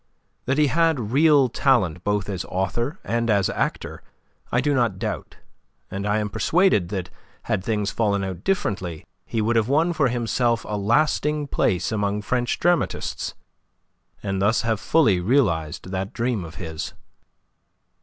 That he had real talent both as author and as actor I do not doubt, and I am persuaded that had things fallen out differently he would have won for himself a lasting place among French dramatists, and thus fully have realized that dream of his.